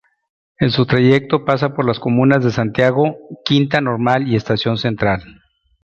En su trayecto pasa por las comunas de Santiago, Quinta Normal y Estación Central.